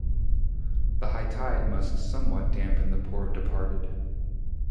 The high tide must somewhat dampen the poor departed.